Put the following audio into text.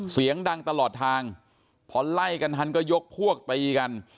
เสียงดังตลอดทางพอไล่กันทันก็ยกพวกตีกัน